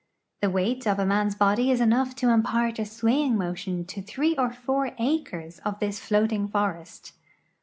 The weight of a man's Vjody is enough to impart a swaying motion to three or four acres of this floating forest.